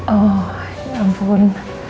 oh ya ampun